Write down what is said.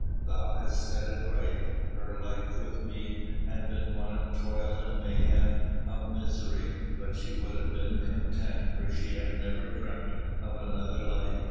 Thou hast said it right her life with me had been one of toil and mayhap of misery, but she would have been content, for she had never dreamed of another life.